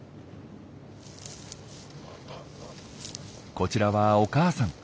こちらはお母さん。